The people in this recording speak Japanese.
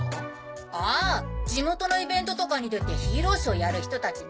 ああ地元のイベントとかに出てヒーローショーやる人たちね。